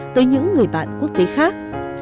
tới những người bạn quốc tế khác